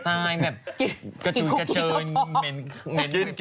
ใช่แบบกระจุยกระเจิญเหม็น